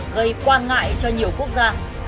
gây quan ngại cho nhiều quốc gia